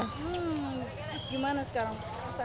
terus gimana sekarang